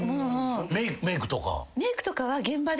メークとか。